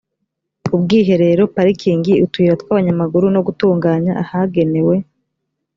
ubwiherero parikingi utuyira tw abanyamaguru no gutunganya ahagenewe